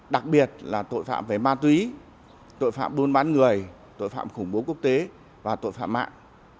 đặc biệt là tội phạm về ma túy tội phạm buôn bán người tội phạm khủng bố quốc tế và tội phạm mạng